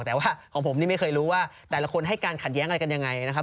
แต่ว่าของผมนี่ไม่เคยรู้ว่าแต่ละคนให้การขัดแย้งอะไรกันยังไงนะครับ